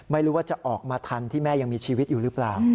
ไม่รู้ว่าจะออกมาทันที่แม่ยังมีชีวิตอยู่หรือเปล่า